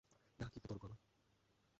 না, কিন্তু তোরঙ্গ আমার।